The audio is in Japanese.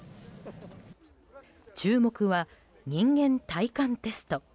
注目は、人間耐寒テスト。